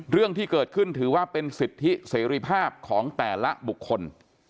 เรื่องที่เกิดขึ้นถือว่าเป็นสิทธิเสรีภาพของแต่ละบุคคล